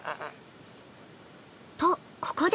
とここで。